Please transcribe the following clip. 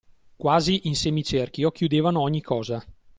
Quasi in semicerchio, chiudevano ogni cosa.